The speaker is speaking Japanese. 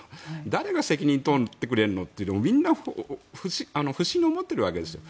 誰が責任を取ってくれるのってみんな不審に思っているわけですよ。